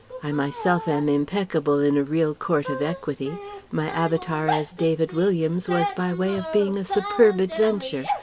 I myself am impeccable in a real court of equity. My avatar as David Williams was by way of being a superb adventure.